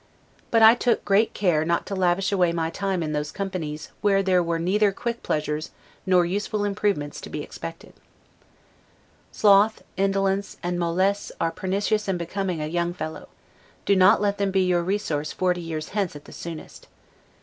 But I took great care not to lavish away my time in those companies where there were neither quick pleasures nor useful improvements to be expected. Sloth, indolence, and 'mollesse' are pernicious and unbecoming a young fellow; let them be your 'ressource' forty years hence at soonest.